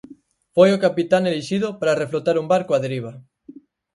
Foi o capitán elixido para reflotar un barco á deriva.